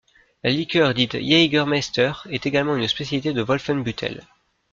La liqueur dite Jägermeister est également une spécialité de Wolfenbüttel.